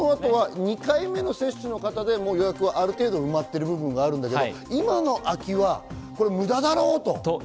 ２回目の接種の方で予約はある程度埋まってる分はあるけれども今の空きはむだだろうと。